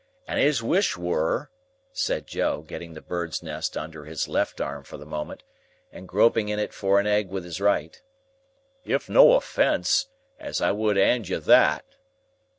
And his wish were," said Joe, getting the bird's nest under his left arm for the moment, and groping in it for an egg with his right; "if no offence, as I would 'and you that."